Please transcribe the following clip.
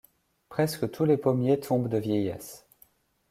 Presque tous les pommiers tombent de vieillesse.